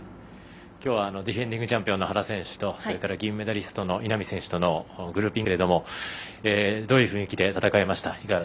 きょうはディフェンディングチャンピオン原選手とそれから銀メダリストの稲見選手とのグルーピングだったんですけどどういう雰囲気で戦えましたか。